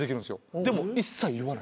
でも一切言わない。